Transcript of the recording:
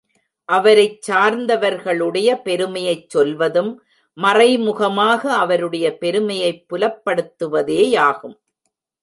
அவரைச் சார்ந்தவர்களுடைய பெருமையைச் சொல்வதும் மறைமுகமாக அவருடைய பெருமையைப் புலப்படுத்துவதேயாகும்.